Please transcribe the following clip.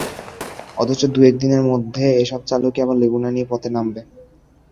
অথচ দুয়েক দিনের মধ্যে এসব চালকই আবার লেগুনা নিয়ে পথে নামবে।